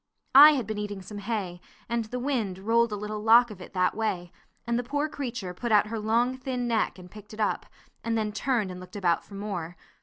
I had been eating some hay, and the wind rolled a little lock of it that way, and the poor creature put out her long thin neck and picked it up, and then turned and looked about for more.